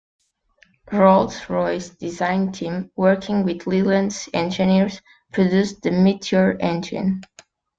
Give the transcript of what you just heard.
Rolls-Royce's design team, working with Leyland's engineers, produced the Meteor engine.